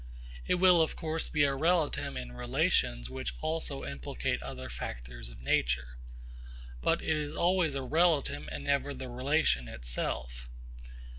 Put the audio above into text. It will of course be a relatum in relations which also implicate other factors of nature. But it is always a relatum and never the relation itself.